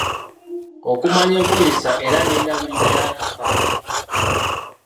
Okumanya enkozesa era n'endabirira yakafo ako.